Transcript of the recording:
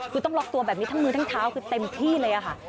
คือต้องล็อกตัวแบบนี้ทั้งมือทั้งเท้าคือเต็มที่เลยค่ะ